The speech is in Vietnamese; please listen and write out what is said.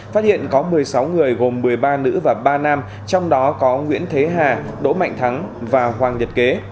phát hiện có một mươi sáu người gồm một mươi ba nữ và ba nam trong đó có nguyễn thế hà đỗ mạnh thắng và hoàng nhật kế